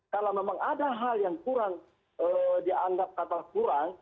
kalau memang ada hal yang kurang dianggap kata kurang